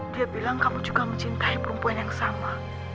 dia bilang kamu juga mencintai perempuan yang sama